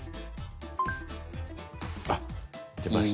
あっ出ました。